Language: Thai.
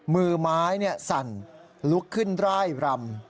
มือไม้สั่นลุกขึ้นร่ายรำ